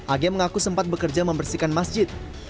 ag mengaku sempat bekerja membersihkan masjid